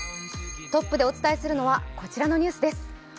トップでお伝えするのはこちらのニュースです。